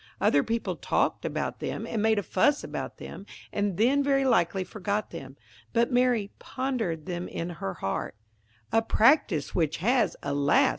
Other people talked about them, and made a fuss about them, and then very likely forgot them; but Mary "pondered them in her heart; " a practice which has, alas!